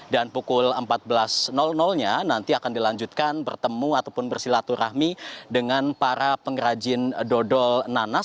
dan pukul empat belas nol nolnya nanti akan dilanjutkan bertemu ataupun bersilaturahmi dengan para pengrajin dodol nanas